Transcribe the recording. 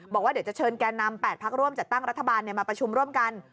บอกว่าเดี๋ยวจะเชิญแก่นำ๘พักร่วมจัดตั้งรัฐบาลมาประชุมร่วมกัน